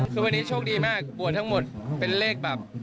คือวันนี้โชคดีมากบวชทั้งหมดเป็นเลขแบบ